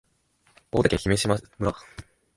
大分県姫島村